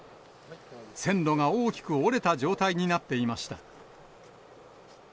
線路が大きく折れた状態になっていました。